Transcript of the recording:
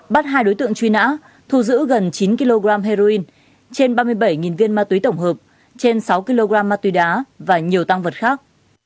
bắt hai đối tượng truy nã thu giữ gần chín kg heroin trên ba mươi bảy viên ma túy tổng hợp trên sáu kg ma túy đá và nhiều tăng vật khác